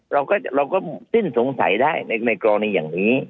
เราก็สิ้นสงสัยได้ในกรณีอย่างนี้